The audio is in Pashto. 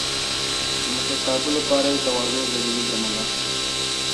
د مشرتابه لپاره يې تواضع ضروري ګڼله.